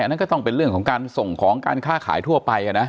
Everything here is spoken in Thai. อันนั้นก็ต้องเป็นเรื่องของการส่งของการค้าขายทั่วไป